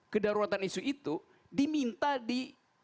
kedaruratan isu itu diminta di